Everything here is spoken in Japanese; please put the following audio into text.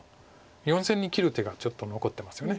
４線に切る手がちょっと残ってますよね。